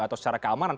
atau secara keamanan